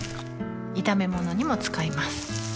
炒め物にも使います